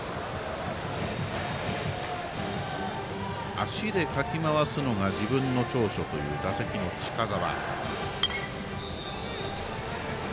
足でかき回すのが自分の長所という打席の近澤。